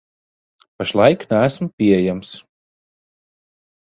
Pašlaik neesmu pieejams.